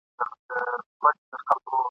د خوبونو قافلې به دي لوټمه !.